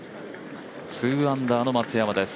２アンダーの松山です。